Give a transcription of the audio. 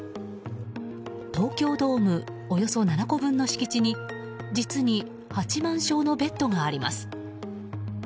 東京ドームおよそ７個分の敷地に実に８万床のベッドがあります。